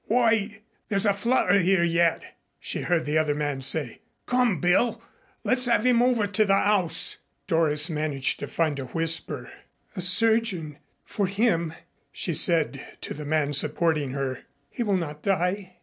"Wait! There's a flutter 'ere yet." She heard the other man say. "Come, Bill. Let's have 'im over to the 'ouse." Doris managed to find a whisper. "A surgeon for him," she said to the man supporting her. "He will not die.